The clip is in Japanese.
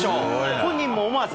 本人も思わず。